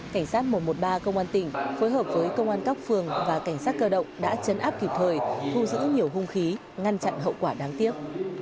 cảnh sát một trăm một mươi ba công an tỉnh phối hợp với công an các phường và cảnh sát cơ động đã chấn áp kịp thời thu giữ nhiều hung khí ngăn chặn hậu quả đáng tiếc